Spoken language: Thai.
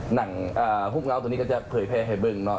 หนังพวกเราตัวนี้ก็จะเผยแพงให้บึงนะ